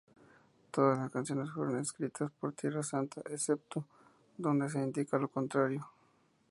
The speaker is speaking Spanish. Todas las canciones fueron escritas por Tierra Santa, excepto donde se indica lo contrario.